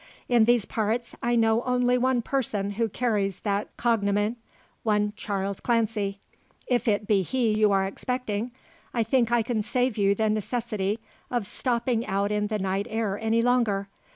In these parts I know only one person who carries that cognomen one Charles Clancy. If it be he you are expecting, I think I can save you the necessity of stopping out in the night air any longer.